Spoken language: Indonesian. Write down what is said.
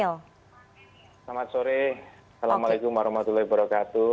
selamat sore assalamualaikum warahmatullahi wabarakatuh